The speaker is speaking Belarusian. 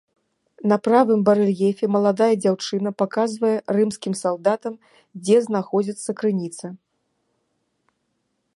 На правым барэльефе маладая дзяўчына паказвае рымскім салдатам, дзе знаходзіцца крыніца.